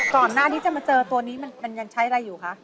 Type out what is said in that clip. ก่อนหน้าที่จะมาเจอตัวนี้มันยังใช้อะไรอยู่คะ